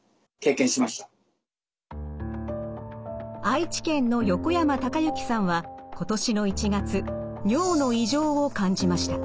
愛知県の横山孝行さんは今年の１月尿の異常を感じました。